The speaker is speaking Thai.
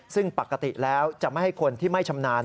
ซึ่งปกติแล้วจะไม่ให้คนที่ไม่ชำนาญ